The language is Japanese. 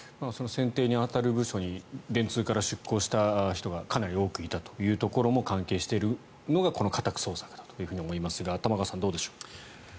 選定に当たる部署に電通から出向した人がかなり多くいたというところも関係しているのがこの家宅捜索だと思いますが玉川さんどうでしょう。